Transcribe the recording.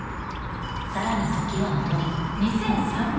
さらに時は戻り